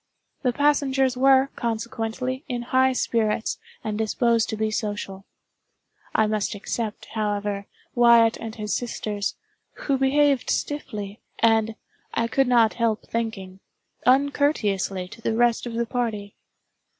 The passengers were, consequently, in high spirits and disposed to be social. I must except, however, Wyatt and his sisters, who behaved stiffly, and, I could not help thinking, uncourteously to the rest of the party.